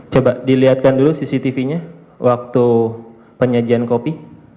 coba dilihatkan dulu cctv nya waktu penyajian kopi